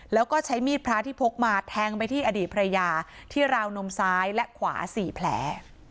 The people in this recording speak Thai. แล้วก็ใช้มีดพระที่พกมาแทงไปที่อดีตภรรยาที่ราวนมซ้ายและขวา๔แผล